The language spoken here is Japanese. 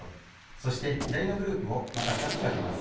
そしてひだりのグループをまたふたつにわけます。